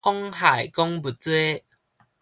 妨害公務罪